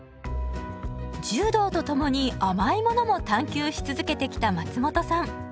柔道とともに甘いものも探求し続けてきた松本さん。